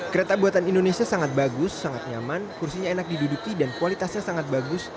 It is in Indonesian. kereta buatan indonesia sangat bagus sangat nyaman kursinya enak diduduki dan kualitasnya sangat bagus